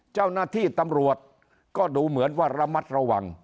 เจ้าหน้าที่ตำรวจก็ดูเหมือนว่าระมัดระวัง